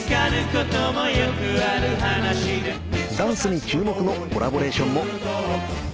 ダンスに注目のコラボレーションも。